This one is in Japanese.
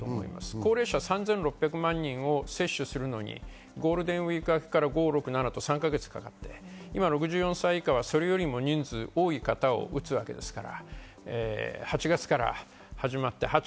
高齢者は３６００万人に接種するのにゴールデンウイーク明けから３か月かかって、今６４歳以下はそれよりも人数の多い方を打つわけですから。